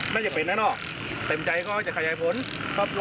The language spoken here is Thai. น่าจะเป็นเนาะ